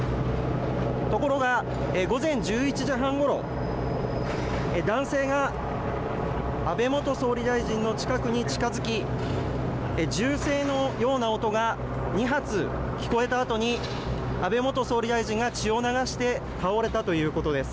ところが午前１１時半ごろ男性が安倍元総理大臣の近くに近づき銃声のような音が２発聞こえたあとに安倍元総理大臣が血を流して倒れたということです。